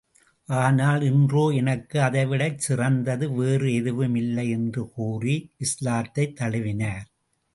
ஆனால் இன்றோ எனக்கு அதை விடச் சிறந்தது வேறு எதுவும் இல்லை என்று கூறி இஸ்லாத்தைத் தழுவினார்.